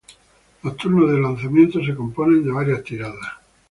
Los turnos de lanzamiento se componen de varias tiradas.